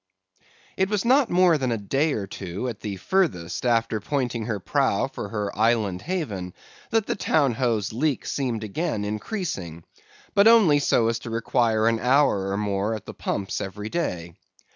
"It was not more than a day or two at the furthest after pointing her prow for her island haven, that the Town Ho's leak seemed again increasing, but only so as to require an hour or more at the pumps every day.